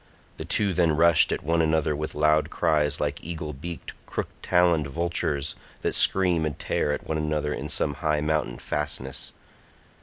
The two then rushed at one another with loud cries like eagle beaked crook taloned vultures that scream and tear at one another in some high mountain fastness.